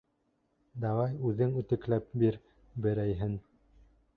Давай, үҙең үтекләп бир берәйһен!